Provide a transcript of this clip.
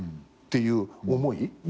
っていう思い。